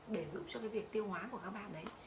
để giúp cho cái việc tiêu hóa của các bạn đấy